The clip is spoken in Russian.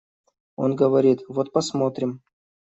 Он говорит: «Вот посмотрим».